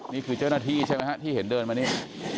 นี่คือเจ้าหน้าที่ใช่ไหมฮะที่เห็นเดินมานี่